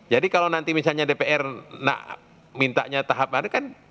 jadi kalau nanti misalnya dpr minta tahapan